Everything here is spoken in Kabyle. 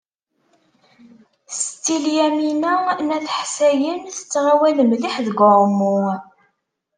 Setti Lyamina n At Ḥsayen tettɣawal mliḥ deg uɛumu.